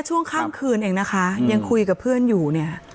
ช่วงข้ามคืนเองนะคะยังคุยกับเพื่อนอยู่เนี่ย